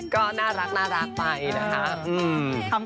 ก็น่ารักไปนะคะ